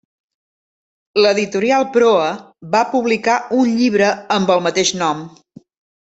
L'editorial Proa va publicar un llibre amb el mateix nom.